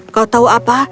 kau tahu apa